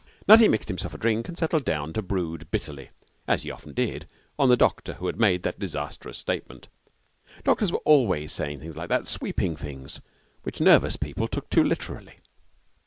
Nutty mixed himself a drink and settled down to brood bitterly, as he often did, on the doctor who had made that disastrous statement. Doctors were always saying things like that sweeping things which nervous people took too literally.